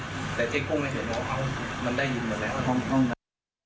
แต่เจ๊กุ้งก็ไม่เห็นว่ามันได้ยินหมดแล้ว